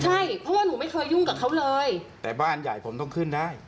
ใช่เพราะว่าหนูไม่เคยยุ่งกับเขาเลยแต่บ้านใหญ่ผมต้องขึ้นได้